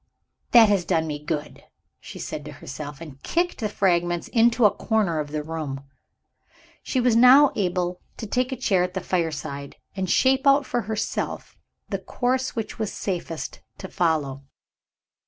that has done me good," she said to herself and kicked the fragments into a corner of the room. She was now able to take a chair at the fireside, and shape out for herself the course which it was safest to follow.